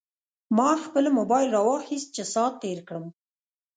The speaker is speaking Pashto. ما خپل موبایل راواخیست چې ساعت تېر کړم.